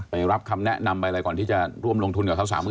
รับคำแนะนำไปอะไรก่อนที่จะร่วมลงทุนกับเขา๓๐๐๐